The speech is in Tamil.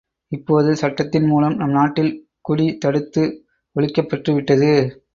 இப்போது சட்டத்தின் மூலம், நம் நாட்டில் குடி தடுத்து ஒழிக்கப் பெற்று விட்டது.